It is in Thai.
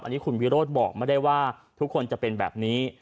อันนี้คุณวิโรธบอกไม่ได้ว่าทุกคนจะเป็นแบบนี้